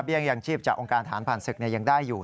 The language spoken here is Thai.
เบี้ยอย่างชีพจากองค์การทหารผ่านศึกเนี่ยยังได้อยู่